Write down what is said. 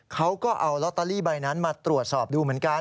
เขาก็เอาลอตเตอรี่ใบนั้นมาตรวจสอบดูเหมือนกัน